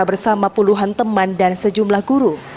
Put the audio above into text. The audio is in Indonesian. bersama puluhan teman dan sejumlah guru